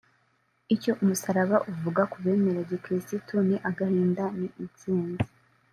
icyo umusaraba uvuga ku bemera gikirisitu si agahinda ni intsinzi